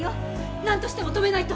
なんとしても止めないと！